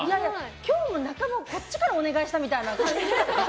今日もこっちからお願いしたみたいな。